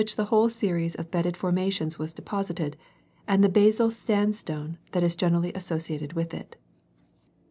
the whole series of bedded formations was deposited, and the basal sandstone that is generally associated with it.